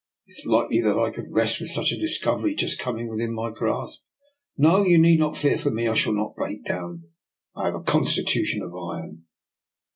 " Is it like ly that I could rest with such a discovery just coming within my grasp? No; you need not fear for me, I shall not break down. I have a constitution of iron."